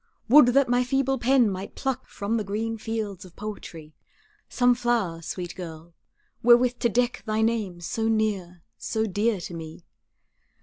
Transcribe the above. Would that my feeble pen might pluck From the green fields of poetry, Some flower, sweet girl, wherewith to deck Thy name so near, so dear to me.